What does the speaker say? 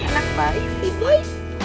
anak baik sih boy